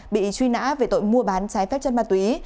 bị truy nã về tội mua bán trái phép chất ma túy